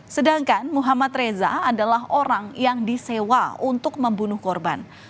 sedangkan muhammad reza adalah orang yang disewa untuk membunuh korban